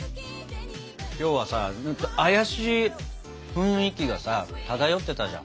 今日はさ怪しい雰囲気がさ漂ってたじゃん。